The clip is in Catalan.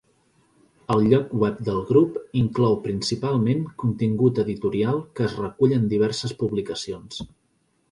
El lloc web del grup inclou principalment contingut editorial que es recull en diverses publicacions.